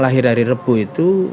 lahir dari rebu itu